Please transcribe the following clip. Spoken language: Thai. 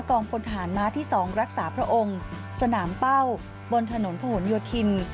กองพลฐานม้าที่๒รักษาพระองค์สนามเป้าบนถนนโผนยวทิน